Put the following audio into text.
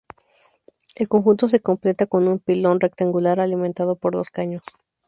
El conjunto se completa con un pilón rectangular, alimentado por dos caños.